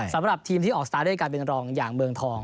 สำหรับทีมที่ออกสตาร์ทด้วยการเป็นรองอย่างเมืองทอง